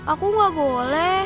aku gak boleh